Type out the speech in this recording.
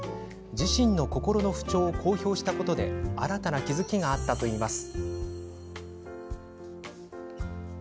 自身の心の不調を公表したことで新たな気付きがあったといいます。